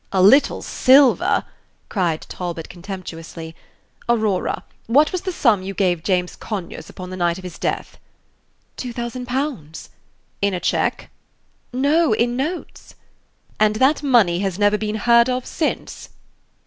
"A little silver!" cried Talbot, contemptuously. "Aurora, what was the sum you gave James Conyers upon the night of his death?" "Two thousand pounds." "In a check?" "No, in notes." "And that money has never been heard of since?"